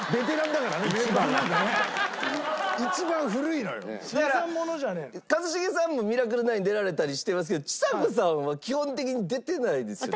だから一茂さんも『ミラクル９』出られたりしてますけどちさ子さんは基本的に出てないですよね？